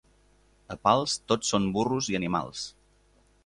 A Pals tots són burros i animals.